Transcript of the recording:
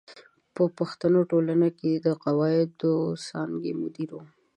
په پښتو ټولنه کې د قواعدو د څانګې مدیر و.